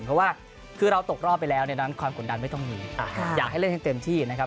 เพราะว่าคือเราตกรอบไปแล้วในนั้นความกดดันไม่ต้องมีอยากให้เล่นให้เต็มที่นะครับ